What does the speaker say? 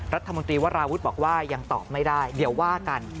รัฐมนตรีวราวุฒิบอกว่ายังตอบไม่ได้เดี๋ยวว่ากัน